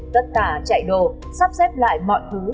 tất cả chạy đồ sắp xếp lại mọi thứ